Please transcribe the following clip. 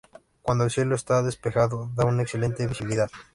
Cuando el cielo está despejado da una excelente visibilidad.